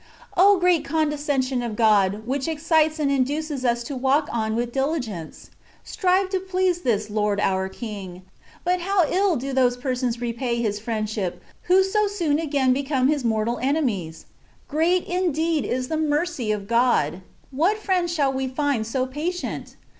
O great condescension of God ! which excites and induces us to walk on with diligence. Strive to please this Lord our King. But how ill do those persons repay His friendship^ who so soon again become His mortal enemies ! Greats indeed^ is the mercy of God ! What friend shall we find so patient?